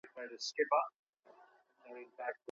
ولي مدام هڅاند د لوستي کس په پرتله هدف ترلاسه کوي؟